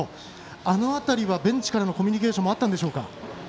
あの辺りはベンチからのコミュニケーションもあったんでしょうか。